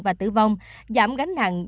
và tử vong giảm gánh nặng